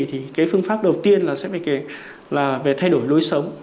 thì cái phương pháp đầu tiên là sẽ phải kể là về thay đổi lối sống